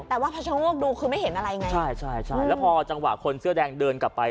แต่ว่าพอชะโงกดูคือไม่เห็นอะไรไงใช่ใช่แล้วพอจังหวะคนเสื้อแดงเดินกลับไป